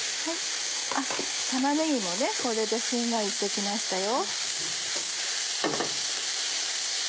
玉ねぎもこれでしんなりして来ましたよ。